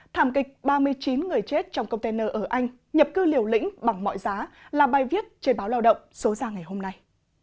thảm kịch ba mươi chín người chết trong container ở anh nhập cư liều lĩnh bằng mọi giá là bài viết trên báo lao động số ra ngày hôm nay